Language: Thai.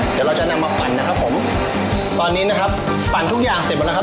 เดี๋ยวเราจะนำมาปั่นนะครับผมตอนนี้นะครับปั่นทุกอย่างเสร็จหมดแล้วครับ